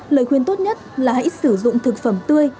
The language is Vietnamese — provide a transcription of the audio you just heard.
lời khuyên tốt nhất là hãy sử dụng thực phẩm tươi